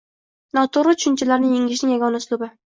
Noto‘g‘ri tushunchalarni yengishning yagona uslubi